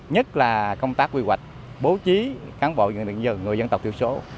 nhất là công tác quy hoạch bố trí cán bộ dân dân người dân tộc tiểu số